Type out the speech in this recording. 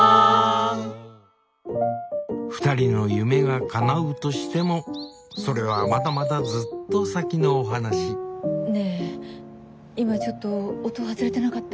２人の夢がかなうとしてもそれはまだまだずっと先のお話ねぇ今ちょっと音外れてなかった？